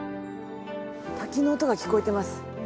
滝の音が聞こえてます。